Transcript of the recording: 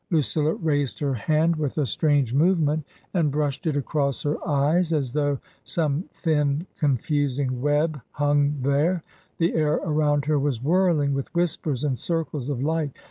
Lucilla raised her hand with a TRANSITION. 275 strange movement and brushed it across her eyes, as though some thin, confusing web hung there. The air around her was whirling with whispers and circles of light.